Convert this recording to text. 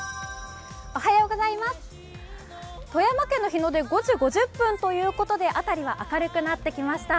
富山県の日の出、５時５０分ということで辺りは明るくなってきました。